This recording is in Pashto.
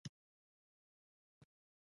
جوار ژیړ دي.